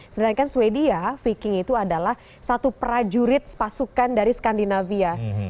sedangkan sweden viking itu adalah satu prajurit pasukan dari skandinavia